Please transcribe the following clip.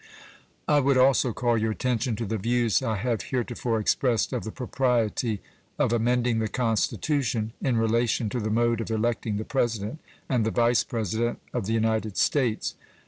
I would also call your attention to the views I have heretofore expressed of the propriety of amending the Constitution in relation to the mode of electing the President and the Vice President of the United States.